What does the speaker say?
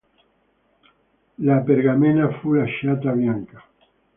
La pergamena fu lasciata bianca.